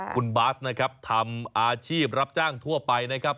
คุณบาสนะครับทำอาชีพรับจ้างทั่วไปนะครับ